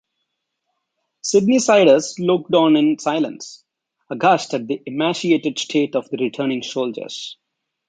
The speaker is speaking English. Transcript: Sydneysiders looked on in silence, aghast at the emaciated state of the returning soldiers.